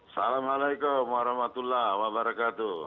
salam alaikum warahmatullah wabarakatuh